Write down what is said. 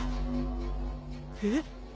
えっ？